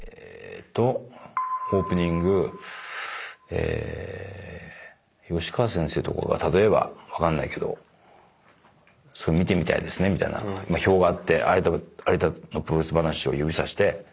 え吉川先生とかが例えば分かんないけど「見てみたいですね」みたいな。表があって『有田のプロレス噺』を指さして。